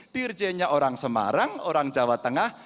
dirjennya orang semarang orang jawa tengah